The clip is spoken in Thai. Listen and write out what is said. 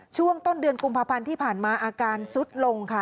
ช่วงต้นเดือนกุมภาพันธ์ที่ผ่านมาอาการสุดลงค่ะ